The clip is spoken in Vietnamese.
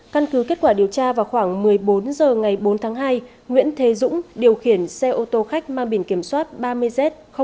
căn cứ kết quả điều tra vào khoảng một mươi bốn h ngày bốn tháng hai nguyễn thế dũng điều khiển xe ô tô khách mang biển kiểm soát ba mươi z